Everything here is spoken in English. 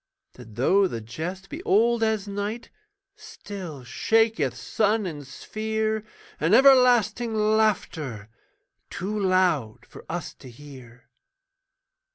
That though the jest be old as night, Still shaketh sun and sphere An everlasting laughter Too loud for us to hear.